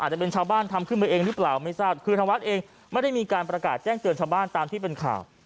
จะเป็นชาวบ้านทำขึ้นมาเองหรือเปล่าไม่ทราบคือทางวัดเองไม่ได้มีการประกาศแจ้งเตือนชาวบ้านตามที่เป็นข่าว